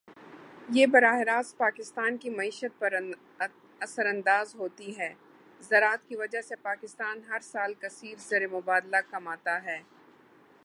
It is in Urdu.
یہ براہِ راست پاکستان کی معیشت پر اثر اندازہوتی ہے۔ زراعت کی وجہ سے پاکستان ہر سال کثیر زرمبادلہ کماتا ہے.